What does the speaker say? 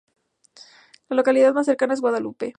La localidad más cercana es Guadalupe.